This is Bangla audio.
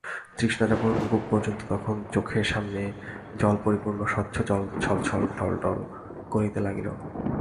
তৃষ্ণা যখন বুক পর্যন্ত তখন চোখের সামনে কূলপরিপূর্ণ স্বচ্ছ জল ছলছল ঢলঢল করিতে লাগিল।